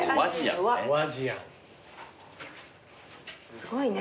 すごいね。